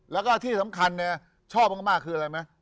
แล้วก็ที่สำคัญเนี่ยชอบมากคืออะไรไหม